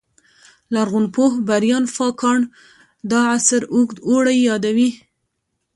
لرغونپوه بریان فاګان دا عصر اوږد اوړی یادوي